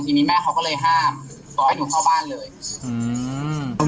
ทีนี้แม่เขาก็เลยห้ามบอกให้หนูเข้าบ้านเลยอืม